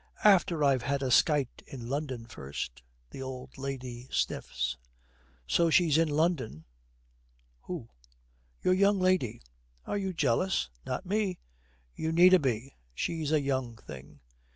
'After I've had a skite in London first.' The old lady sniffs, 'So she is in London!' 'Who?' 'Your young lady.' 'Are you jealyous?' 'Not me.' 'You needna be. She's a young thing.'